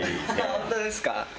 本当ですか？